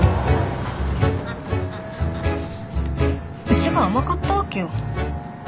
うちが甘かったわけよ。